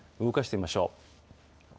動かしてみましょう。